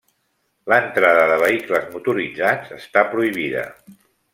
L'entrada de vehicles motoritzats està prohibida.